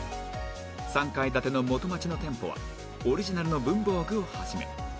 ３階建ての元町の店舗はオリジナルの文房具を始め